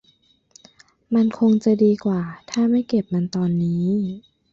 มันคงจะดีกว่าถ้าไม่เก็บมันตอนนี้